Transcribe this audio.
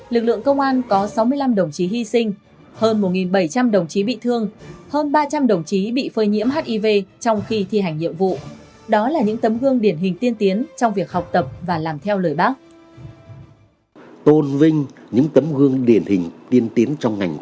lực lượng công an có sáu mươi năm đồng chí hy sinh hơn một bảy trăm linh đồng chí bị thương hơn ba trăm linh đồng chí bị phơi nhiễm hiv trong khi thi hành nhiệm vụ đó là những tấm gương điển hình tiên tiến trong việc học tập và làm theo lời bác